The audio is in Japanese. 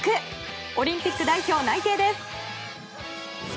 オリンピック代表内定です。